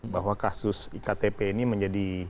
bahwa kasus iktp ini menjadi